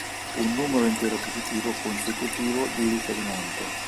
Un numero intero positivo consecutivo di riferimento.